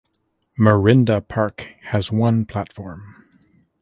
Merinda Park has one platform.